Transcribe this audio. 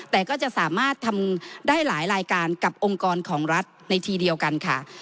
แต่ก็จะสามารถทำได้หลายรายการกับองค์กรของรัฐในทีเดียวกันค่ะ